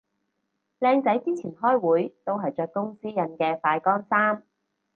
靚仔之前開會都係着公司印嘅快乾衫